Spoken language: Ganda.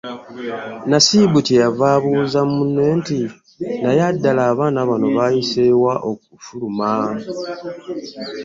Nasibu kye yava abuuza munne nti naye ddala abaana bano baayise wa okufuluma?